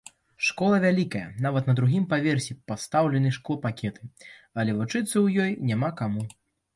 Школа вялікая, нават на другім паверсе пастаўлены шклопакеты, але вучыцца ў ёй няма каму.